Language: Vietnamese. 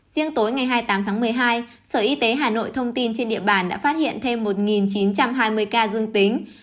riêng tối ngày hai mươi tám tháng một mươi hai sở y tế hà nội thông tin trên địa bàn đã phát hiện thêm một chín trăm hai mươi ca dương tính